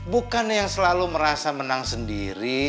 bukan yang selalu merasa menang sendiri